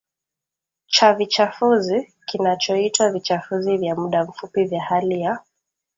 cha vichafuzi kinachoitwa Vichafuzi vya MudaMfupi vya Hali ya